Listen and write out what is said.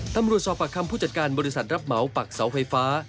ตำรวจสอบปากคำผู้จัดการบริษัทรับเหมาปักเสาไฟฟ้า